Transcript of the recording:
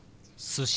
「寿司」。